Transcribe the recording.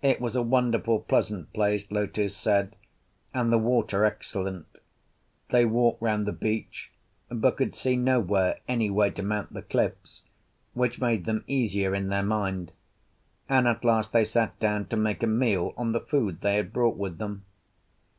It was a wonderful pleasant place, Lotu said, and the water excellent. They walked round the beach, but could see nowhere any way to mount the cliffs, which made them easier in their mind; and at last they sat down to make a meal on the food they had brought with them.